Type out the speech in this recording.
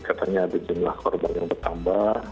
katanya ada jumlah korban yang bertambah